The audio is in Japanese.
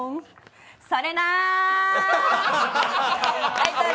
それなー。